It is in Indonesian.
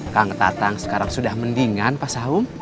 kang tatang sekarang sudah mendingan pak sahum